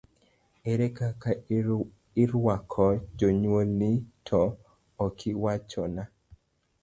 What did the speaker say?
Ere kaka irwako jonyuolni, to okiwachona?